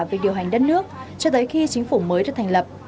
về điều hành đất nước cho tới khi chính phủ mới được thành lập